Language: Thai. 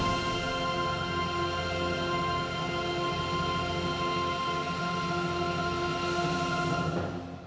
ไม่อยู่ช่วงที่หัวใจมีอะไรอยู่